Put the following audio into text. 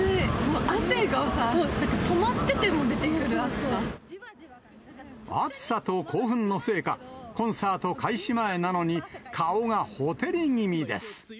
汗が止まっていても出てくる暑さと興奮のせいか、コンサート開始前なのに、顔がほてり気味です。